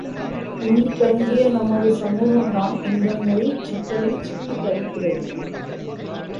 பின் தங்கிய நமது சமூகம் தான் இந்த மொழிச் சிக்கலில் சிக்கித் தவிக்கிறது.